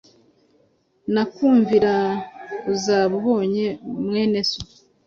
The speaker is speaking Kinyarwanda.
nakumvira, uzaba ubonye mwene so.